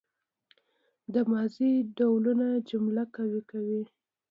د ماضي ډولونه جمله قوي کوي.